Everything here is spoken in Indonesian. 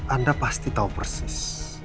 anda pasti tau persis